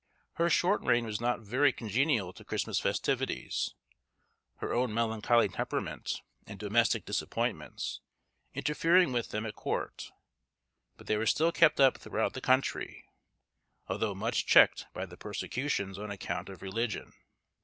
Her short reign was not very congenial to Christmas festivities, her own melancholy temperament, and domestic disappointments, interfering with them at court; but they were still kept up throughout the country, although much checked by the persecutions on account of religion.